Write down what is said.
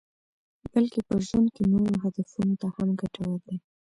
بلکې په ژوند کې نورو هدفونو ته هم ګټور دي.